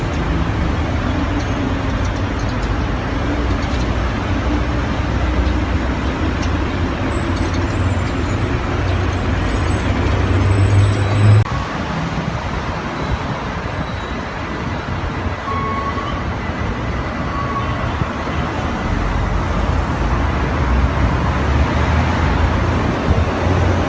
ก็คิดว่าคุณไปถามรอพอรอพอรอพอรอพอรอพอรอพอ